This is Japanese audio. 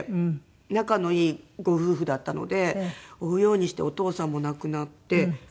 仲のいいご夫婦だったので追うようにしてお義父さんも亡くなって。